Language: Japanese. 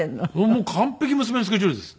もう完璧娘のスケジュールです。